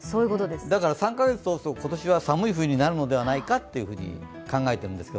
だから３カ月通すと、今年は寒い冬になるのではと考えています。